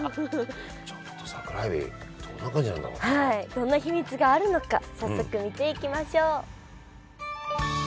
どんな秘密があるのか早速見ていきましょう！